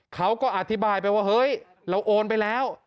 เขาก็อธิบายไปว่าเฮ้ยเราโอนไปแล้ว